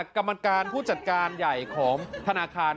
กรรมการผู้จัดการใหญ่ของธนาคาร